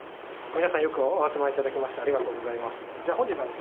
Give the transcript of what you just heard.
皆さん、よくお集まりいただきまして、ありがとうございます。